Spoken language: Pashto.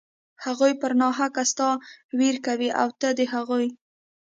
هغوى پر ناحقه ستا وير کوي او ته د هغوى.